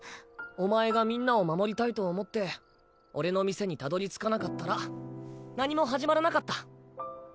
お前がみんなを守りたいと思って俺の店にたどりつかなかったら何も始まらなかった。